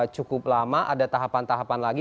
cukup lama ada tahapan tahapan lagi